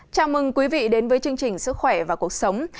chào mừng quý vị đến với chương trình sức khỏe và cuộc sống